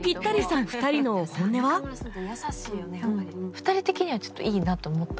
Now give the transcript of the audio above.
２人的にはちょっといいなと思った？